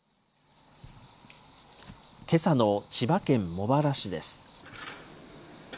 けさの千葉県茂原市です。